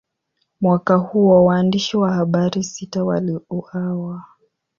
Mwaka huo, waandishi wa habari sita waliuawa.